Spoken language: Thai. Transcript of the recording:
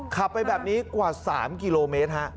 ขับไปแบบนี้กว่า๓กิโลเมตร